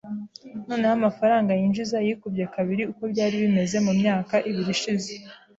Noneho amafaranga yinjiza yikubye kabiri uko byari bimeze mumyaka ibiri ishize .